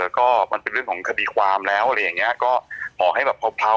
แล้วก็มันเป็นเรื่องของคดีความแล้วอะไรอย่างเงี้ยก็ขอให้แบบเผา